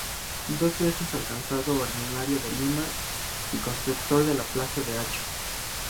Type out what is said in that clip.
Dos veces alcalde ordinario de Lima y constructor de la Plaza de Acho.